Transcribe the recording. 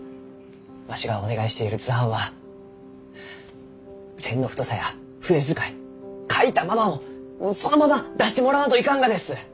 わしがお願いしている図版は線の太さや筆遣い描いたままをそのまま出してもらわんといかんがです！